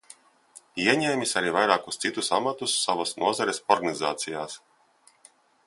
Ieņēmis arī vairākus citus amatus savas nozares organizācijās.